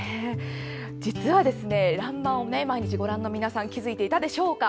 実は、「らんまん」を毎日ご覧の皆さんは気付いていたでしょうか。